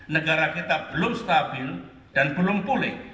negara kita belum stabil dan belum pulih